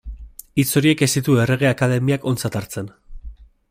Hitz horiek ez ditu Errege Akademiak ontzat hartzen.